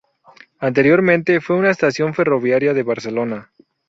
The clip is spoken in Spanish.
Anteriormente fue una estación ferroviaria de Barcelona.